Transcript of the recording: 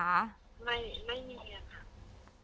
ไม่ไม่มีเลยอะค่ะ